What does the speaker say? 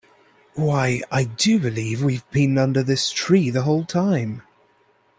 Why, I do believe we’ve been under this tree the whole time!